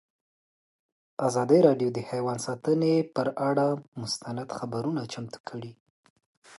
ازادي راډیو د حیوان ساتنه پر اړه مستند خپرونه چمتو کړې.